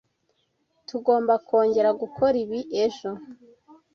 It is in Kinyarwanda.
Tugomba kongera gukora ibi ejo.